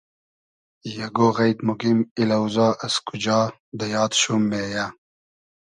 یئگۉ غݷد موگیم ای لۆزا از کوجا دۂ یاد شوم مېیۂ